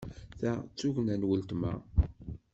Ta d tugna n weltma.